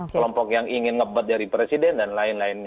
kelompok yang ingin ngebet dari presiden dan lain lainnya